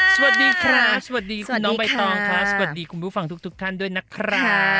สวัสดีครับสวัสดีคุณน้องใบตองค่ะสวัสดีคุณผู้ฟังทุกทุกท่านด้วยนะครับ